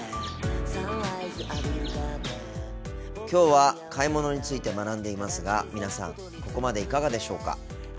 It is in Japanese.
今日は買い物について学んでいますが皆さんここまでいかがでしょうか？